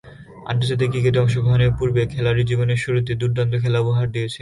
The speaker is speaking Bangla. আন্তর্জাতিক ক্রিকেটে অংশগ্রহণের পূর্বে খেলোয়াড়ী জীবনের শুরুতে দূর্দান্ত খেলা উপহার দিয়েছিলেন।